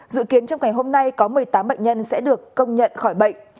dự kiến trong ngày hôm nay có một mươi tám bệnh nhân sẽ được công nhận khỏi bệnh